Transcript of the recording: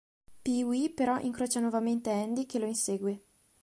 Pee-wee però incrocia nuovamente Andy che lo insegue.